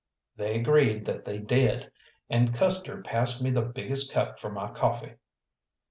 They agreed that they did, and Custer passed me the biggest cup for my coffee.